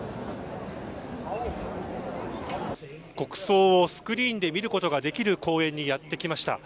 国葬をスクリーンで見ることのできる公園にやって来ました。